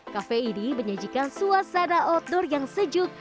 kafe ini menyajikan suasana outdoor yang sejuk